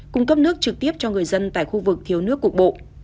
cung cấp nước trực tiếp cho người dân tại khu vực thiếu nước cục bộ